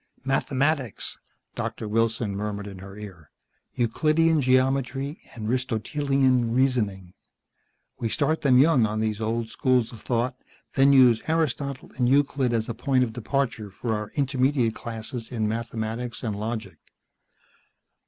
"Mathematics," Doctor Wilson murmured in her ear. "Euclidean Geometry and Aristotelean reasoning. We start them young on these old schools of thought, then use Aristotle and Euclid as a point of departure for our intermediate classes in mathematics and logic."